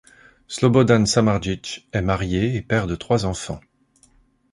Slobodan Samardžić est marié et père de trois enfants.